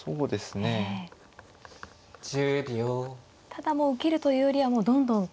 ただもう受けるというよりはもうどんどん。